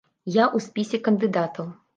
Я ў спісе кандыдатаў.